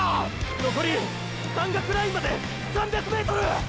のこり山岳ラインまで３００ｍ！！